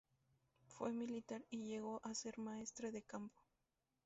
Fue militar y llegó a ser maestre de campo.